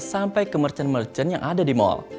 sampai ke merchant merchant yang ada di mall